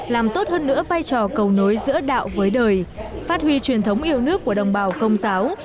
làm tốt hơn nữa vai trò cầu nối giữa đạo với đời phát huy truyền thống yêu nước của đồng bào công giáo